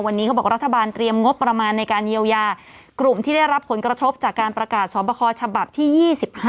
วันนี้เขาบอกรัฐบาลเตรียมงบประมาณในการเยียวยากลุ่มที่ได้รับผลกระทบจากการประกาศสอบคอฉบับที่๒๕